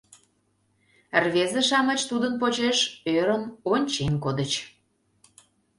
Рвезе-шамыч тудын почеш ӧрын ончен кодыч.